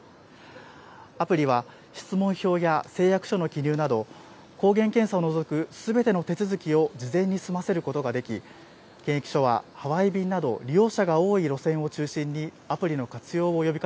アプリは質問票や誓約書の記入など、抗原検査を除くすべての手続きを事前に済ませることができ、検疫所はハワイ便など、利用者が多い路線を中心にアプリの活用を呼び